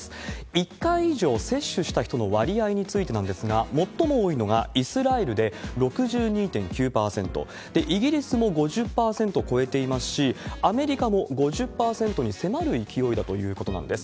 １回以上接種した人の割合についてなんですが、最も多いのがイスラエルで、６２．９％、イギリスも５０％超えていますし、アメリカも５０％に迫る勢いだということなんです。